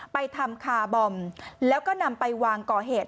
ไปทำคาร์บอมแล้วก็นำไปวางก่อเหตุ